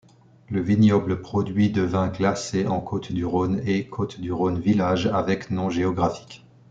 Le vignoble produit de vins classés en Côtes-du-rhône et côtes-du-rhône villages avec nom géographique.